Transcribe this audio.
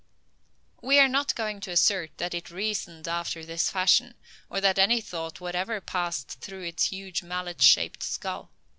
We are not going to assert that it reasoned after this fashion, or that any thoughts whatever passed through its huge mallet shaped skull.